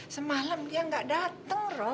semalam dia gak dateng roh